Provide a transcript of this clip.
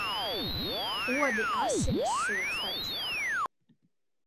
Odi asinis sūc taču.